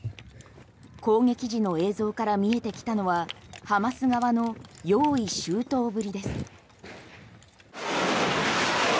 攻撃時の映像から見えてきたのはハマス側の用意周到ぶりです。